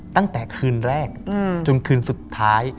ตั้งแต่คืนแรกจนคืนสุดท้าย